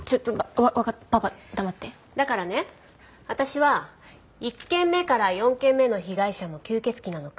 だからね私は１件目から４件目の被害者も吸血鬼なのか調べる事にしたの。